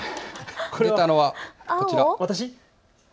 出たのはこちら。